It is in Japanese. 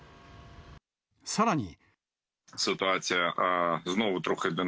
さらに。